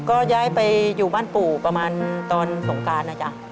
ก็ย้ายไปอยู่บ้านปู่ประมาณตอนสงการนะจ๊ะ